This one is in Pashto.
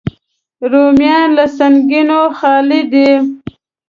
رومیان له سنګینیو خالي دي